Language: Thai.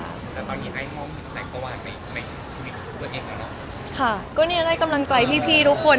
แต่ตอนนี้ไอ้ห้องใดก็ว่าในทุกคนเองนะคะค่ะก็เนี้ยได้กำลังใจพี่พี่ทุกคน